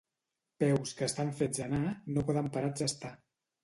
Peus que estan fets a anar, no poden parats estar.